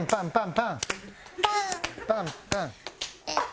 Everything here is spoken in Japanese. パンパン。